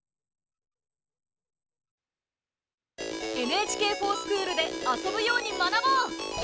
「ＮＨＫｆｏｒＳｃｈｏｏｌ」で遊ぶように学ぼう！